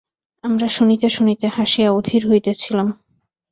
আমরা শুনিতে শুনিতে হাসিয়া অধীর হইতেছিলাম।